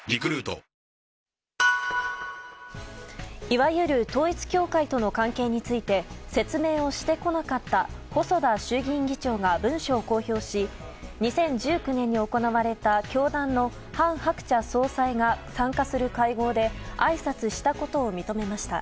いわゆる統一教会との関係について説明をしてこなかった細田衆議院議長は文書を公表し２０１９年に行われた教団の韓鶴子総裁が参加する会合であいさつしたことを認めました。